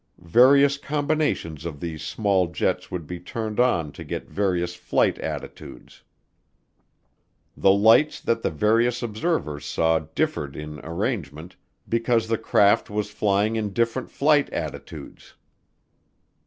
Various combinations of these small jets would be turned on to get various flight attitudes. The lights that the various observers saw differed in arrangement because the craft was flying in different flight attitudes.